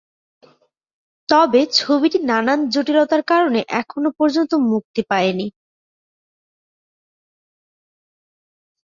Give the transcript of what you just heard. তবে ছবিটি নানান জটিলতার কারণে এখনও পর্যন্ত মুক্তি পায়নি।